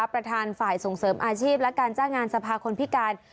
ประธานฝ่ายส่งเสริมอาชีพและการจ้างงานสภาคนพิการ